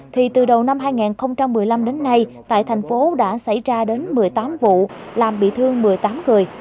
thì từ đầu năm hai nghìn một mươi năm đến nay tại thành phố đã xảy ra đến một mươi tám vụ làm bị thương một mươi tám người